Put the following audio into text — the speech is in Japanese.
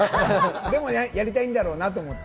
でもやりたいんだろうなと思って。